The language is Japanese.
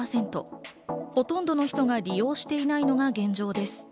ほとんどの人が利用していないのが現状です。